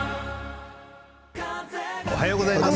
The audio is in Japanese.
おはようございます。